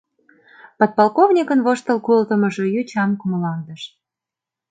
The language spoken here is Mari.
Подполковникын воштыл колтымыжо йочам кумылаҥдыш.